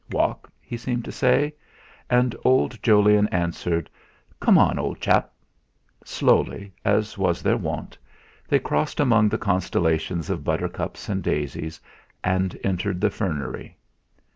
'Walk?' he seemed to say; and old Jolyon answered: "Come on, old chap!" Slowly, as was their wont, they crossed among the constellations of buttercups and daisies, and entered the fernery.